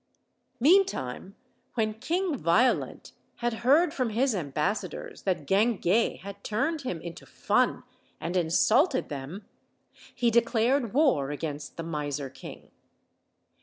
Meantime, when King Violent had heard from his am bassadors that Guinguet had turned him into fun and in sulted them, he declared war against the miser king.